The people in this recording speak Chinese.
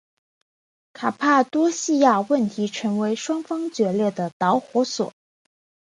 卡帕多细亚问题成为双方决裂的导火索。